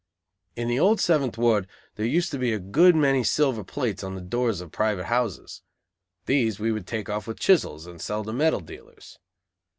In the old Seventh Ward there used to be a good many silver plates on the doors of private houses. These we would take off with chisels and sell to metal dealers.